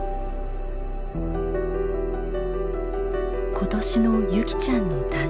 今年の優希ちゃんの誕生